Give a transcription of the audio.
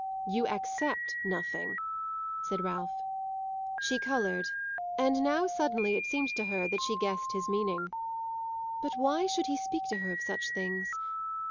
"You accept nothing," said Ralph. She coloured, and now suddenly it seemed to her that she guessed his meaning. But why should he speak to her of such things?